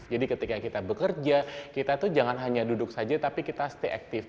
jadi ketika kita bekerja kita itu jangan hanya duduk saja tapi kita stay active